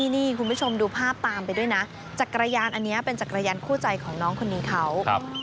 นี่คุณผู้ชมดูภาพตามไปด้วยนะจักรยานอันนี้เป็นจักรยานคู่ใจของน้องคนนี้เขา